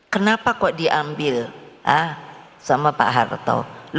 kenapa kok diambil sama pak harto